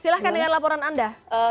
silahkan dengan laporan anda